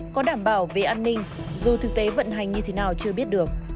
có đảm bảo về an ninh dù thực tế vận hành như thế nào chưa biết được